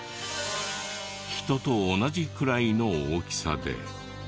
人と同じくらいの大きさで。